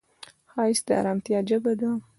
ښایست د ارامتیا ژبه ده